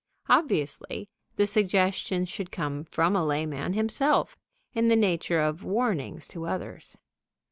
Obviously the suggestions should come from a layman himself, in the nature of warnings to others.